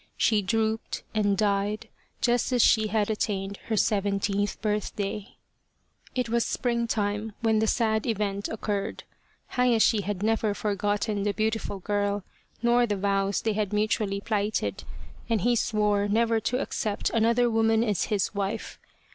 She drooped and died just as she had attained her seventeenth birthday. It was springtime when the sad event occurred. Hayashi had never forgotten the beautiful girl nor the vows they had mutually plighted, and he swore never to accept another woman as his wife.